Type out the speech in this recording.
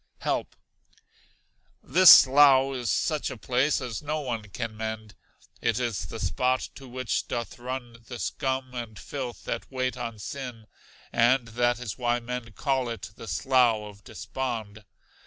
Help. This slough is such a place as no one can mend. It is the spot to which doth run the scum and filth that wait on sin, and that is why men call it the Slough of Despond.